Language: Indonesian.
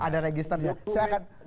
ada registernya saya akan